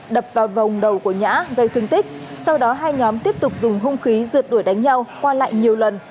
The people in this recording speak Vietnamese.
đập vào vòng đầu của nhã gây thương tích sau đó hai nhóm tiếp tục dùng hung khí rượt đuổi đánh nhau qua lại nhiều lần